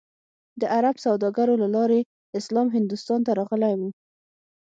د عرب سوداګرو له لارې اسلام هندوستان ته راغلی و.